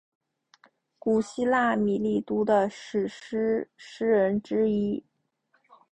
古希腊米利都的史诗诗人之一。